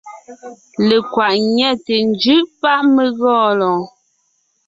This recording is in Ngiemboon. Lekwàʼ ńnyɛte jʉʼ páʼ mé gɔɔn lɔɔn.